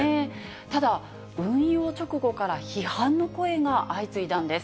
ただ、運用直後から批判の声が相次いだんです。